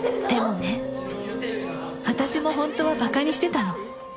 でもね私も本当は馬鹿にしてたの